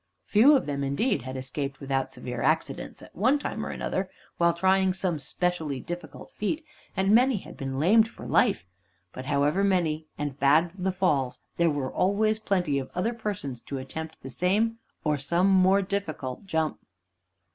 Few of them, indeed, had escaped without severe accidents at one time or another, while trying some specially difficult feat, and many had been lamed for life. But however many and bad the falls, there were always plenty of other persons to attempt the same or some more difficult jump.